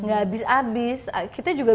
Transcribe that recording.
gak habis habis kita juga